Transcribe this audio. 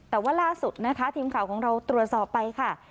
แต่ว่าล่าสุดนะคะทีมข่าวของเราตรวจสอบไปค่ะ